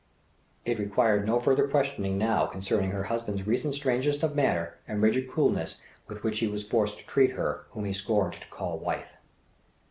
It required no further questioning now concerning her husband's recent strangeness of manner and rigid coolness with which he was forced to treat her whom he scorned to call wife.